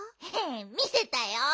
みせたよ。